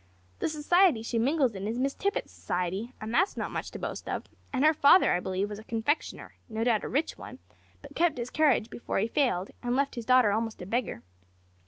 The society she mingles in is Miss Tippet's society, and that's not much to boast of; and her father, I believe, was a confectioner no doubt a rich one, that kept his carriage before he failed, and left his daughter almost a beggar.